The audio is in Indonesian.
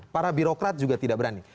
para birokrat juga tidak berani